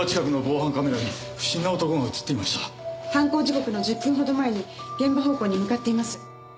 犯行時刻の１０分ほど前に現場方向に向かっています。